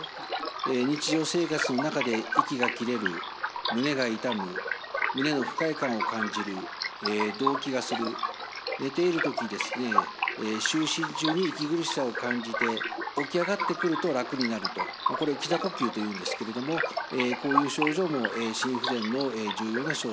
日常生活の中で息が切れる胸が痛む胸の不快感を感じる動悸がする寝ている時就寝中に息苦しさを感じて起き上がってくると楽になるとこれを起坐呼吸というんですけれどもこういう症状も心不全の重要な症状です。